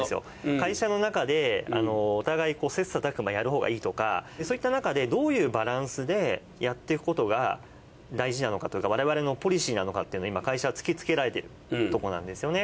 会社の中でお互い切磋琢磨やるほうがいいとかそういった中でどういうバランスでやっていくことが大事なのかというか我々のポリシーなのかっていうのを今会社は突きつけられてるとこなんですよね。